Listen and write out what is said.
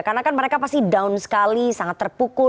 karena kan mereka pasti down sekali sangat terpukul